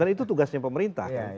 dan itu tugasnya pemerintah